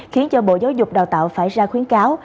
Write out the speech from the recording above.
khiến cho bộ giáo dục đào tạo phải ra khuyến cáo